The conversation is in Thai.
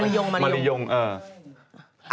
กลายไปคบกับใครนะ